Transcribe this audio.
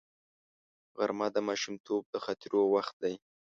غرمه د ماشومتوب د خاطرو وخت دی